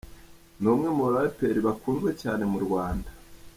Ni umwe mu baraperi bakunzwe cyane mu Rwanda.